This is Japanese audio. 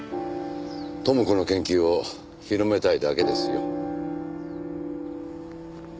知子の研究を広めたいだけですよ。